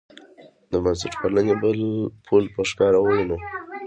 د بنسټپالنې پل په ښکاره ووینو.